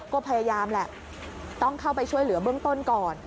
ก็พยายามแหละต้องเข้าไปช่วยเหลือเบื้องต้นก่อน